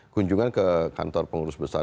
kunjungan ke kantor pengurus besar